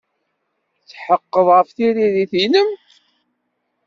Tetḥeqqeḍ ɣef tririt-nnem?